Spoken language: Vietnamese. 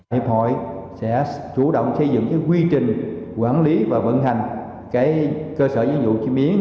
hiệp hội sẽ chủ động xây dựng quy trình quản lý và vận hành cơ sở dân dụ chiếm yến